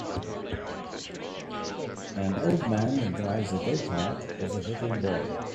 An old man drives a gocart with a little boy.